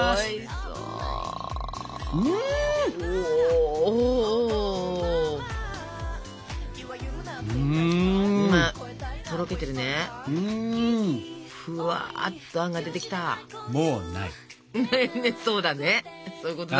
そうだねそういうことだね。